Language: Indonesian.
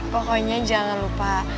pokoknya jangan lupa